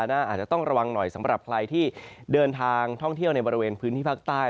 อาจจะต้องระวังหน่อยสำหรับใครที่เดินทางท่องเที่ยวในบริเวณพื้นที่ภาคใต้